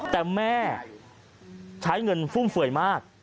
แต่แม่ใช้เงินฟุ่มเฟื่อยมาก